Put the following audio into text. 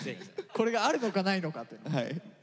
これがあるのかないのかって。